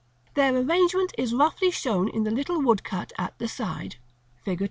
Their arrangement is roughly shown in the little woodcut at the side (Fig.